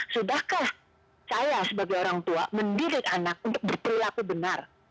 sudahkah saya sebagai orang tua mendidik anak untuk berperilaku benar